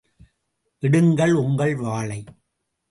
எடுங்கள் உங்கள் வாளை!